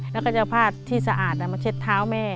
แล้วก็จะเอาผ้าที่สะอาดมาเช็ดเท้าแม่